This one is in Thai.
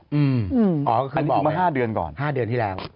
อ๋อคือบอกไหมอันนี้อีกมา๕เดือนก่อน๕เดือนที่แล้ว